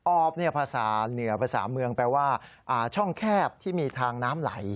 อบภาษาเหนือภาษาเมืองแปลว่าช่องแคบที่มีทางน้ำไหล